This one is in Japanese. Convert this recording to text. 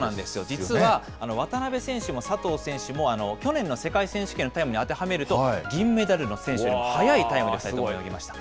実は渡辺選手も佐藤選手も、去年の世界選手権のタイムに当てはめると、銀メダルの選手よりも速いタイムで泳ぎました。